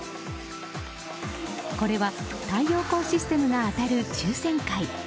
これは、太陽光システムが当たる抽選会。